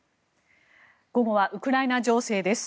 午後はウクライナ情勢です。